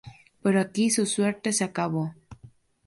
Pero aquí su suerte se acabó.